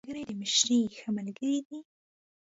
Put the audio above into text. ملګری د مشورې ښه ملګری دی